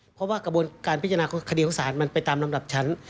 เพราะว่ากระบวนการพิจารณาคดีของศาลมันไปตามลำดับชั้น